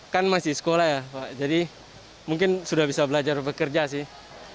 kan masih sekolah ya pak jadi mungkin sudah bisa belajar bekerja sih